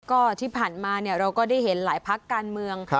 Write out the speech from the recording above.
ก็ที่ผ่านมาเราก็ได้เห็นหลายพักการเมือง